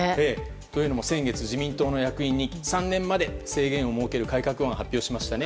というのも先月自民党の役員に３年まで制限を求める改革案を発表しましたね。